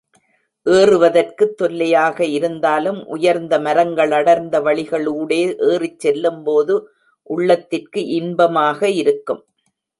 ஏறுவதற்குத் தொல்லையாக இருந்தாலும், உயர்ந்த மரங்களடர்ந்த வழிகளூடே ஏறிச் செல்லும்போது உள்ளத்திற்கு இன்பமாக இருக்கும்.